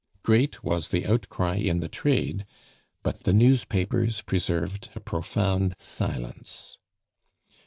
Great was the outcry in the trade; but the newspapers preserved a profound silence.